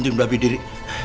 nanti mbak bidiri